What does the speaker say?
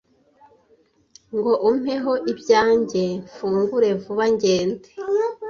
ngo umpeho ibyanjye mfungure vuba ngende